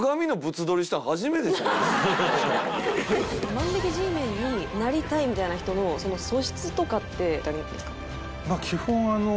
万引Ｇメンになりたいみたいな人の素質とかってあるんですか？